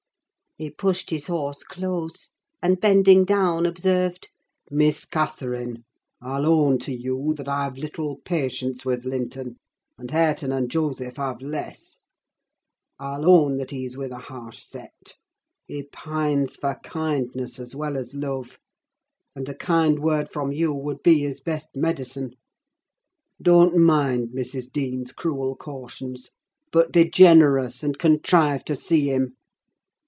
He pushed his horse close, and, bending down, observed— "Miss Catherine, I'll own to you that I have little patience with Linton; and Hareton and Joseph have less. I'll own that he's with a harsh set. He pines for kindness, as well as love; and a kind word from you would be his best medicine. Don't mind Mrs. Dean's cruel cautions; but be generous, and contrive to see him.